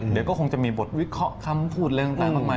เดี๋ยวก็คงจะมีบทวิเคราะห์คำพูดอะไรต่างมากมาย